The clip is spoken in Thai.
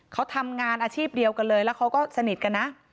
เขาทำงานอาชีพเดียวกันเลยแล้วเขาก็สนิทกันนะ